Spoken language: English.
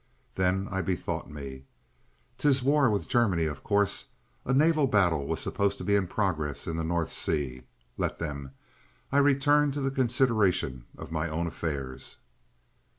Then I bethought me: "This war with Germany, of course!" A naval battle was supposed to be in progress in the North Sea. Let them! I returned to the consideration of my own affairs.